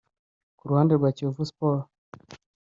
Ku ruhande rwa Kiyovu sport